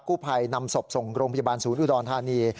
ผู้ภัยนำศพส่งโรงพยาบาลศูนย์อุดรธานี